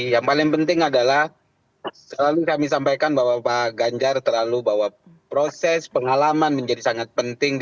yang paling penting adalah selalu kami sampaikan bahwa pak ganjar terlalu bahwa proses pengalaman menjadi sangat penting